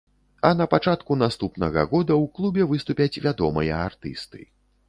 А на пачатку наступнага года ў клубе выступяць вядомыя артысты.